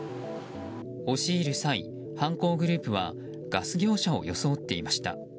押し入る際、犯行グループはガス業者を装っていました。